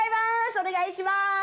お願いします。